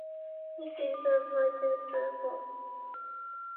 It is served by Chitato Airport.